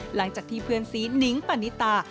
หลังจากที่เพื่อนซีนิ้งปณิตา